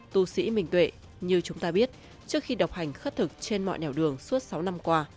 tu sĩ minh tuệ như chúng ta biết trước khi đọc hành khất thực trên mọi nẻo đường suốt sáu năm qua